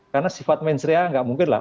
karena sifat mensreanya nggak mungkin lah